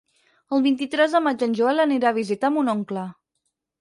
El vint-i-tres de maig en Joel anirà a visitar mon oncle.